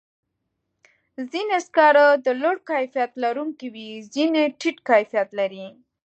ځینې سکاره د لوړ کیفیت لرونکي وي، ځینې ټیټ کیفیت لري.